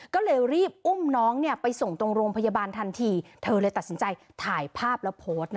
ก็เลยรีบอุ้มน้องไปส่งตรงโรงพยาบาลทันทีเธอเลยตัดสินใจถ่ายภาพแล้วโพสต์